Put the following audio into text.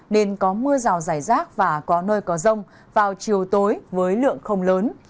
nên có mưa rào rải rác và có nơi có rông vào chiều tối với lượng không lớn